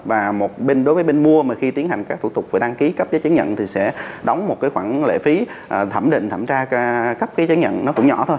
và đối với bên mua mà khi tiến hành các thủ tục đăng ký cấp giá chứng nhận thì sẽ đóng một khoản lệ phí thẩm định thẩm tra cấp giá chứng nhận nó cũng nhỏ thôi